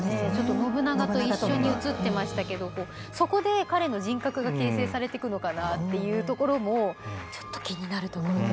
信長と一緒に映っていましたけどそこで、彼の人格が形成されていくのかなっていうところもちょっと気になるところですよね。